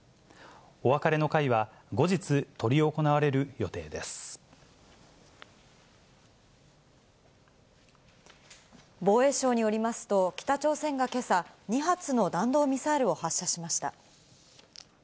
お別れの会は後日、防衛省によりますと、北朝鮮がけさ、２発の弾道ミサイルを発射しました。